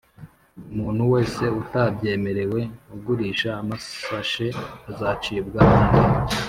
Umuntu wese utabyemerewe ugurisha amasashe azacibwa amande